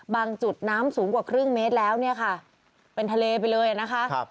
จุดน้ำสูงกว่าครึ่งเมตรแล้วเนี่ยค่ะเป็นทะเลไปเลยนะคะ